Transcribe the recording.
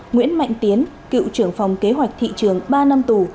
nguyễn mạnh tiến cựu trưởng phòng kế hoạch thị trường ba năm tù